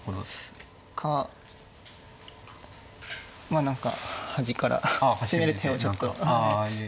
かまあ何か端から攻める手をちょっと。